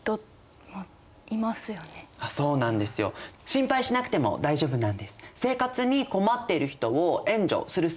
心配しなくても大丈夫なんです。